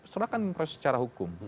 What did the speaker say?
serahkan proses secara hukum